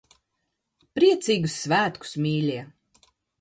Priecīgus svētkus, mīļie!